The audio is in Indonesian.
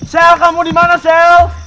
sel kamu di mana sel